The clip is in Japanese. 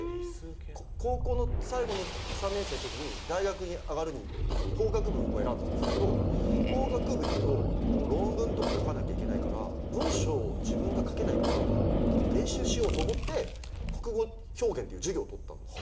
高校の最後の３年生の時に大学に上がる時に法学部を選んだんですけど法学部にいくと論文とか書かなきゃいけないから文章を自分が書けないから練習しようと思って国語表現という授業を取ったんです。